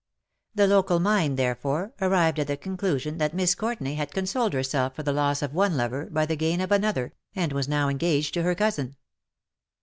The local mind, therefore, arrived at the conclusion that Miss Courtenay had consoled herself for the loss of one lover by the gain of another, and was now engaged to her cousin.